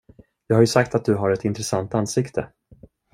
Jag har ju sagt att du har ett intressant ansikte.